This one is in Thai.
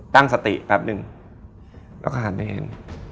ตั้งสติแป๊บนึงแล้วก็หันไปเห็น